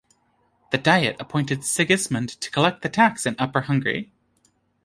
The Diet appointed Sigismund to collect the tax in Upper Hungary.